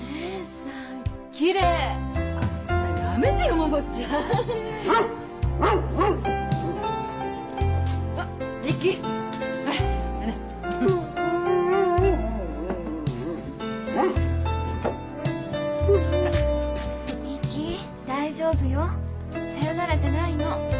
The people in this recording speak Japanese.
さよならじゃないの。